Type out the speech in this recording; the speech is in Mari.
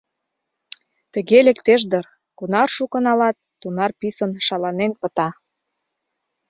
Тыге лектеш дыр: кунар шуко налат — тунар писын шаланен пыта...